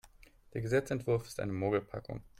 Der Gesetzesentwurf ist eine Mogelpackung.